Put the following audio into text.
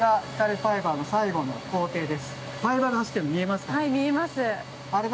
ファイバーが走っているの見えますか？